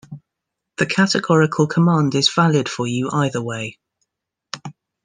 The categorical command is valid for you either way.